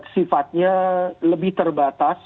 sifatnya lebih terbatas